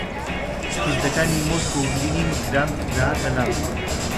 کوردەکانی مۆسکۆ و لینینگراد دەهاتنە لام